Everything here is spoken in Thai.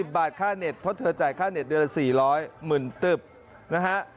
บาทค่าเน็ตเพราะเธอจ่ายค่าเน็ตเดือนละ๔๐๐๐หมื่นตึบนะฮะ